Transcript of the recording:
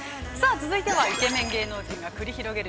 続いてはイケメン芸能人が繰り広げる